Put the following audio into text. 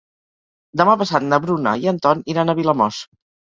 Demà passat na Bruna i en Ton iran a Vilamòs.